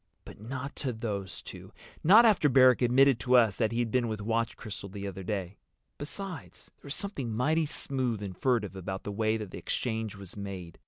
But not to those two. Not after Barrack admitted to us that he'd been with Watch Crystal the other day. Besides, there was something mighty smooth and furtive about the way that exchange was made.